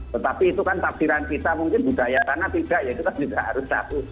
tetapi itu kan takdiran kita mungkin budaya karena tidak ya kita juga harus caku